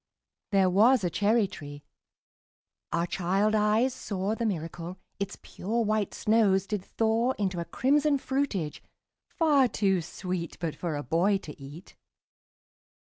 There was a cherry tree our child eyes saw The miracle: Its pure white snows did thaw Into a crimson fruitage, far too sweet But for a boy to eat.